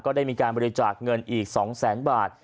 ได้มีการบริจาคเงินอีก๒แสนบาท